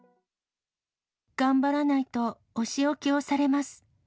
頑張らないとお仕置きをされます。